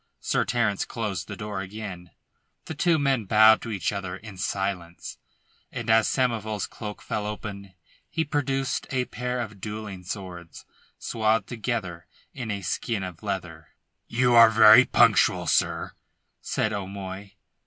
Sir Terence closed the door again. The two men bowed to each other in silence, and as Samoval's cloak fell open he produced a pair of duelling swords swathed together in a skin of leather. "You are very punctual, sir," said O'Moy.